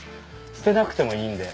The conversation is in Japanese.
捨てなくてもいいんで。